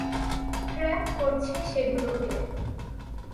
Track করছি সেগুলোকে।